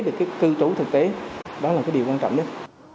cư trú thực tế đó là điều quan trọng nhất